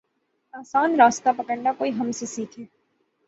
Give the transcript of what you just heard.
آسان راستے پکڑنا کوئی ہم سے سیکھے۔